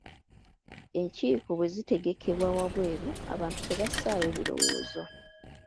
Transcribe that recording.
Enkiiko bwe zitegekebwa waabweru, abantu tebassaayo birowoozo.